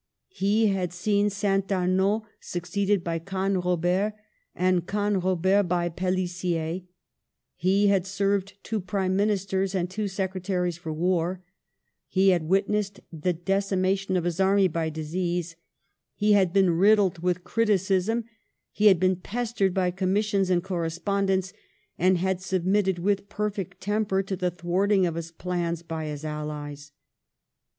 He had seen St. Amaud succeeded by Canrobert and Canrobert by Pelissier ; he had sei*ved two Prime Ministers and two Secretaries for War ; he had witnessed the decimation of his army by disease ; he had been riddled with criticism ; he had been pestered by Commissions and coiTespondents, and had submitted with perfect temper to the thwarting of his plans by his allies.